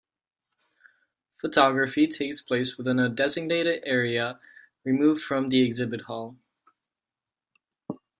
Photography takes place within a designated area removed from the exhibit hall.